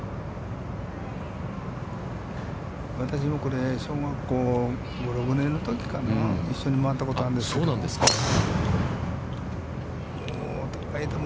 私もこれ、小学校５６年のときかな、一緒に回ったことがあるんですけども。